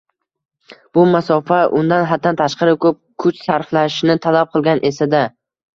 bu masofa undan haddan tashqari ko‘p kuch sarflashni talab qilgan esa-da